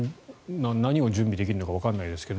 何が準備できるのかわからないですが。